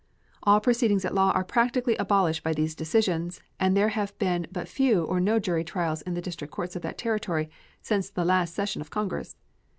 All proceedings at law are practically abolished by these decisions, and there have been but few or no jury trials in the district courts of that Territory since the last session of Congress.